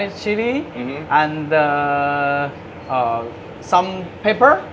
และผิดผิดของชิลลี่